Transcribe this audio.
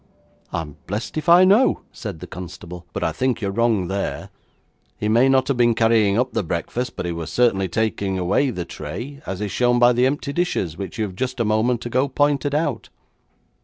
'I'm blessed if I know,' said the constable, 'but I think you are wrong there. He may not have been carrying up the breakfast, but he certainly was taking away the tray, as is shown by the empty dishes, which you have just a moment ago pointed out.'